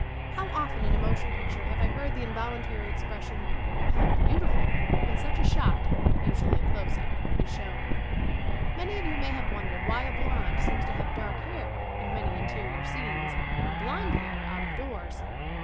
How often in a motion picture have I heard the involuntary expression, "How beau tiful !" when such a shot usually a close up is shown. Many of you may have wondered why a blond seems to have dark hair in many interior scenes and blond hair out of doors.